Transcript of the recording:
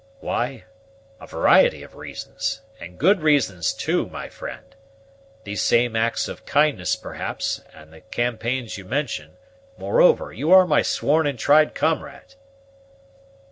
why, a variety of reasons, and good reasons too, my friend. Those same acts of kindness, perhaps, and the campaigns you mention; moreover, you are my sworn and tried comrade."